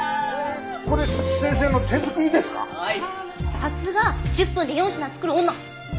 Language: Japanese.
さすが１０分で４品作る女。